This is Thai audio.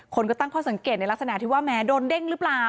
คนก็ตั้งข้อสังเกตในลักษณะที่ว่าแม้โดนเด้งหรือเปล่า